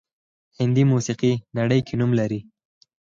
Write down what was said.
هندي موسیقي نړۍ کې نوم لري